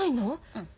うん。